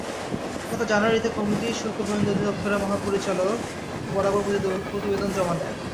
গত জানুয়ারিতে কমিটি শুল্ক গোয়েন্দা অধিদপ্তরের মহাপরিচালক বরাবর প্রতিবেদন জমা দেয়।